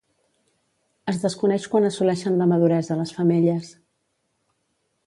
Es desconeix quan assoleixen la maduresa les femelles.